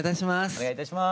お願いいたします。